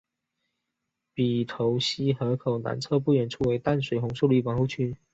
鼻头溪河口南侧不远处为淡水红树林保护区。